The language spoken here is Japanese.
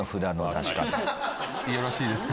よろしいですか？